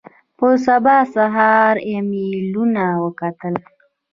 په سبا سهار ایمېلونه وکتل.